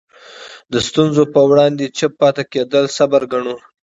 د ستونزو په وړاندې چوپ پاتې کېدل صبر ګڼو.